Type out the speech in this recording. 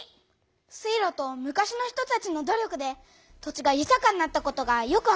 水路と昔の人たちの努力で土地がゆたかになったことがよくわかったよ！